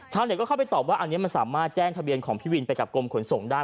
เน็ตก็เข้าไปตอบว่าอันนี้มันสามารถแจ้งทะเบียนของพี่วินไปกับกรมขนส่งได้